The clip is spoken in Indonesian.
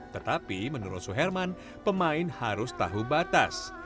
tetapi menurut suherman pemain harus tahu batas